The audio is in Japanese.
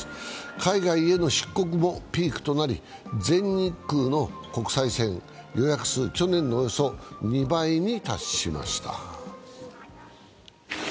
海外への出国もピークとなり全日空の国際線、予約数が去年のおよそ２倍に達しました。